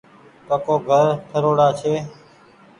پڪو گھر ٺروڙآ ڇي۔